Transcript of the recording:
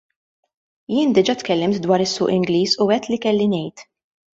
Jien diġa' tkellimt dwar is-suq Ingliż u għidt li kelli ngħid.